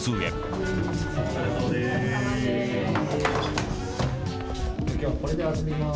お疲れさまです。